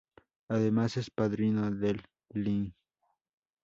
Además es padrino del Lic.